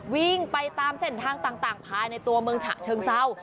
วิ่งไปตามเส้นทางต่างภายในตัวเมืองฉะเชิงเศร้า